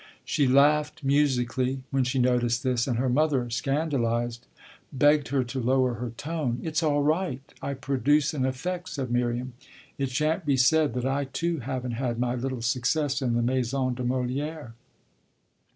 She laughed, musically, when she noticed this, and her mother, scandalised, begged her to lower her tone. "It's all right. I produce an effect," said Miriam: "it shan't be said that I too haven't had my little success in the maison de Molière."